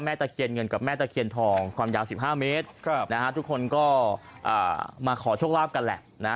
ตะเคียนเงินกับแม่ตะเคียนทองความยาว๑๕เมตรนะฮะทุกคนก็มาขอโชคลาภกันแหละนะฮะ